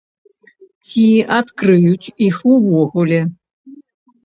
Ці адкрыюць іх увогуле?